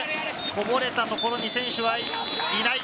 こぼれたところに選手はいない。